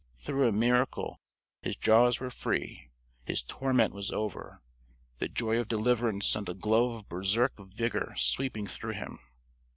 Through a miracle, his jaws were free; his torment was over. The joy of deliverance sent a glow of Berserk vigor sweeping through him.